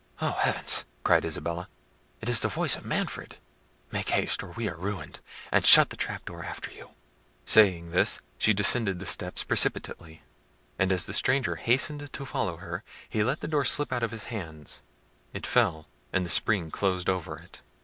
"Oh, heavens!" cried Isabella; "it is the voice of Manfred! Make haste, or we are ruined! and shut the trap door after you." Saying this, she descended the steps precipitately; and as the stranger hastened to follow her, he let the door slip out of his hands: it fell, and the spring closed over it.